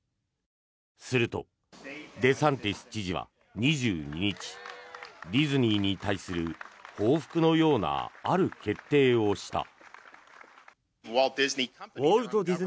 するとデサンティス知事は２２日ディズニーに対する報復のようなある決定をした。